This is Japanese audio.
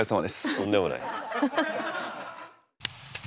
とんでもない。